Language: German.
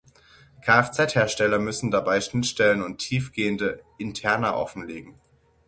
Kfz-Hersteller müssen dabei Schnittstellen und tiefgehende Interna offenlegen.